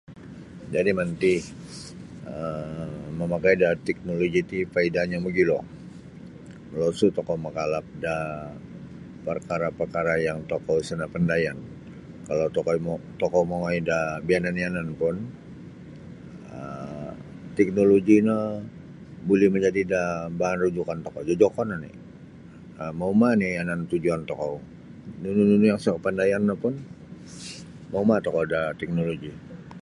Jadi' manti um mamakai da teknoloji ti paidahnyo mogilo molosu' tokou makalap da parkara'-parkara' yang tokou sa napandayan kalau tokoi tokou mongoi da biyanan yanan pun um teknoloji no buli majadi da bahan rujukan tokou jojokon oni' um mauma' nio yanan tujuon tokou nunu-nunu yang isa kapandayan no pun mauma' tokou da teknoloji.